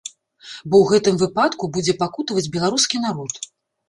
Бо ў гэтым выпадку будзе пакутаваць беларускі народ.